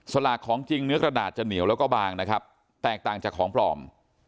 สลากของจริงเนื้อกระดาษจะเหนียวแล้วก็บางนะครับแตกต่างจากของปลอม